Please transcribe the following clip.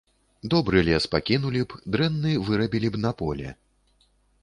Добры лес пакінулі б, дрэнны вырабілі б на поле.